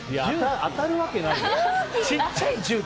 当たるわけないよ。